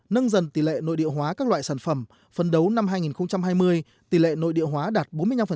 nâng dần tỷ lệ nội địa hóa các loại sản phẩm phần đấu năm hai nghìn hai mươi tỷ lệ nội địa hóa đạt bốn mươi năm